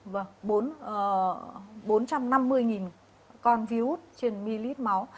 ví dụ như là tỷ lệ là năm mươi con viếu út trên ml máu